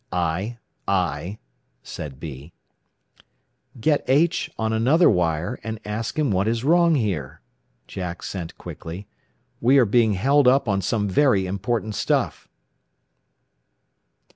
"I, I," said B. "Get H on another wire and ask him what is wrong here," Jack sent quickly. "We are being held up on some very important stuff."